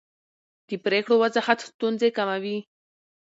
د پرېکړو وضاحت ستونزې کموي